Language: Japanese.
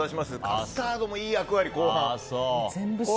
カスタードもいい役割してる。